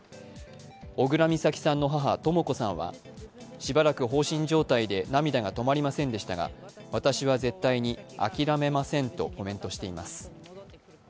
小倉美咲さんの母・とも子さんはしばらく放心状態で、涙が止まりませんでしたが、私は絶対に諦めませんとコメントしています。